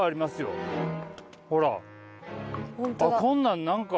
こんなん何か。